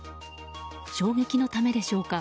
衝撃のためでしょうか。